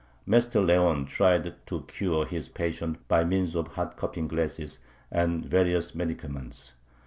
Master Leon tried to cure his patient by means of hot cupping glasses and various medicaments.